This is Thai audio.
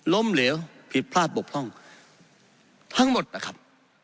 ล้มเหลวผิดพลาดบกพร่องทั้งหมดนะครับ